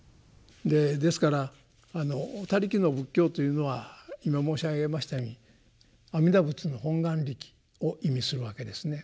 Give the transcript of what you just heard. ですから「他力」の仏教というのは今申し上げましたように阿弥陀仏の本願力を意味するわけですね。